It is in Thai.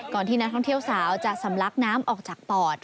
ที่นักท่องเที่ยวสาวจะสำลักน้ำออกจากปอด